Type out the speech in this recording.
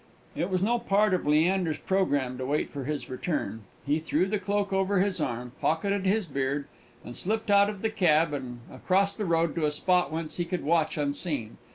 It was no part of Leander's programme to wait for his return; he threw the cloak over his arm, pocketed his beard, and slipped out of the cab and across the road to a spot whence he could watch unseen.